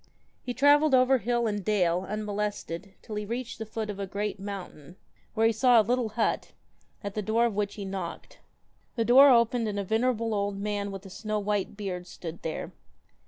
He travelled over hill and dale unmolested till he reached the foot of a great mountain, were he saw a little hut, at the door of which he knocked. The door opened and a venerable old man with a snow white beard stood there.